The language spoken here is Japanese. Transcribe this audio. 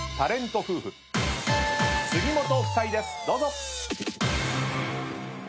どうぞ。